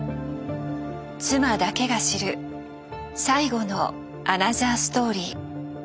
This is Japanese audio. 妻だけが知る最後のアナザーストーリー。